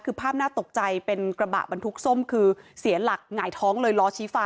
คือภาพน่าตกใจเป็นกระบะบรรทุกส้มคือเสียหลักหงายท้องเลยล้อชี้ฟ้า